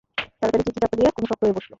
তাড়াতাড়ি চিঠি চাপা দিয়ে কুমু শক্ত হয়ে বসল।